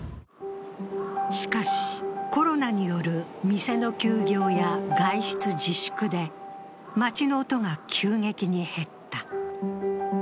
しかし、コロナによる店の休業や外出自粛で街の音が急激に減った。